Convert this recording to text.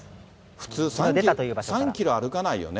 普通３キロ歩かないよね。